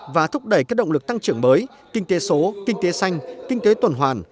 và thúc đẩy các động lực tăng trưởng mới kinh tế số kinh tế xanh kinh tế tuần hoàn